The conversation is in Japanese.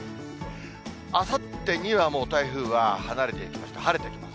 あさってにはもう台風は離れていきました、晴れてきます。